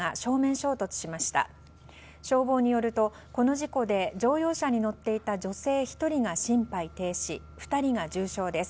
消防によるとこの事故で乗用車に乗っていた女性１人が心肺停止２人が重傷です。